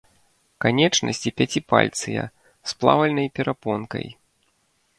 Канечнасці пяціпальцыя, з плавальнай перапонкай.